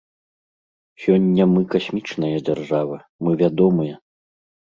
Сёння мы касмічная дзяржава, мы вядомыя.